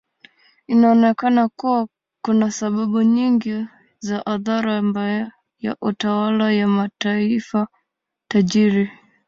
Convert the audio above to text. Inaonekana kuwa kuna sababu nyingi za athari mbaya ya utawala wa mataifa tajiri.